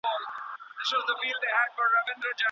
ایا په افغانستان کي د ساینسي سیالیو لپاره پروګرامونه سته؟